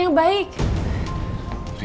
aku mau ngerti